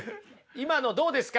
今のどうですか？